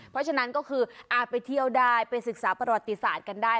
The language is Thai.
เพราะฉะนั้นก็คืออาจไปเที่ยวได้ไปศึกษาประวัติศาสตร์กันได้